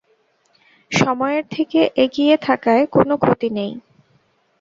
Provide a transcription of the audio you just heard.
সময়ের থেকে এগিয়ে থাকায় কোনো ক্ষতি নেই।